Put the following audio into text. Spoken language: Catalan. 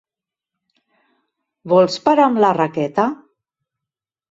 Vols parar amb la raqueta!